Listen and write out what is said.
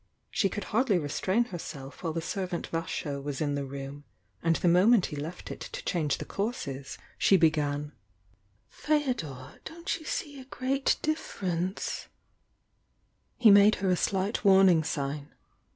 She could hardly restrain herself while the servant Vasho wa£ in the room, and the moment he left it to change the courses, she began: "Feodor, don't you see a great difference " He made her a slight warning sign.